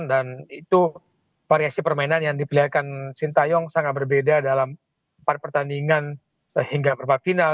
dan itu variasi permainan yang dipilihkan sintayong sangat berbeda dalam part pertandingan hingga part final